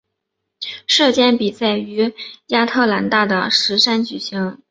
射箭比赛于亚特兰大的石山举行。